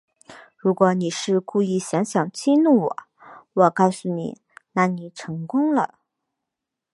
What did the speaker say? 如果你是故意想想激怒我，我告诉你，那你成功了